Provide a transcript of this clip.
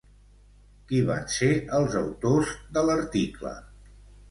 Qui van ser els autors de l'article?